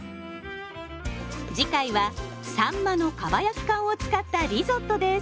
次回はさんまのかば焼き缶を使ったリゾットです。